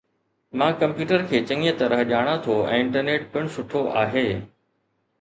مان ڪمپيوٽر کي چڱي طرح ڄاڻان ٿو ۽ انٽرنيٽ پڻ سٺو آهي